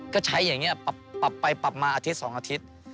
ก็ใช้อย่างนี้ปรับไปปรับมาอาทิตย์๒อาทิตย์